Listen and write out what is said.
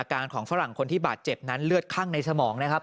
การของฝรั่งคนที่บาดเจ็บนั้นเลือดคั่งในสมองนะครับ